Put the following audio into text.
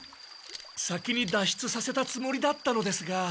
先に脱出させたつもりだったのですが。